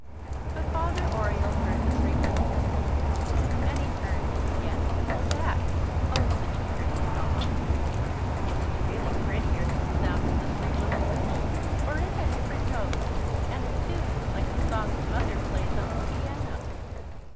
But Father Oriole heard the three willow whistles and he turned and began to whistle back oh such a pretty song. It was really prettier than the sound of the three willow whistles for it had different notes and a tune like the songs Mother plays on the piano.